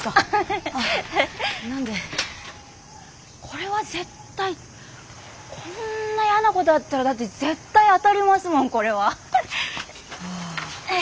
これは絶対こんなやなことあったらだって絶対当たりますもんこれは。ああ。